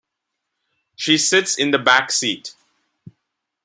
She sits in the backseat.